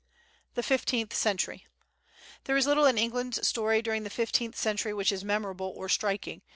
The Fifteenth Century. There is little in England's story during the fifteenth century which is memorable or striking.